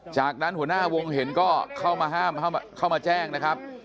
จากนั้นหัวหน้าวงเห็นก็เข้ามาห้ามเข้ามาแจ้งนะครับ